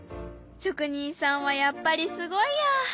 職人さんはやっぱりすごいや。